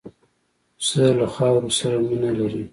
پسه له خاورو سره مینه لري.